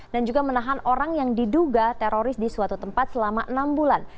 dan juga menahan orang yang diduga teroris di suatu tempat selama enam bulan